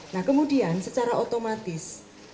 nah kemudian secara otomatis